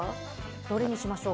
どれにしましょう？